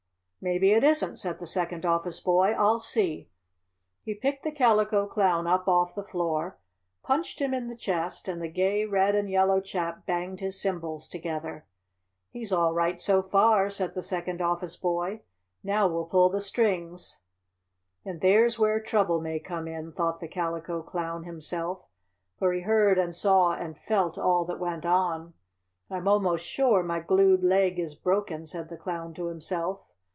"Maybe it isn't," said the second office boy. "I'll see." He picked the Calico Clown up off the floor, punched him in the chest, and the gay red and yellow chap banged his cymbals together. "He's all right so far," said the second office boy. "Now we'll pull the strings." "And there's where trouble may come in," thought the Calico Clown himself, for he heard and saw and felt all that went on. "I'm almost sure my glued leg is broken," said the Clown to himself.